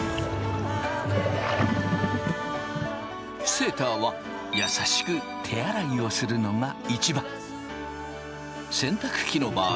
セーターは優しく手洗いをするのが一番。